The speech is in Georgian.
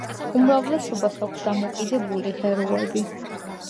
უმრავლესობას აქვს დამოკლებული ღეროები.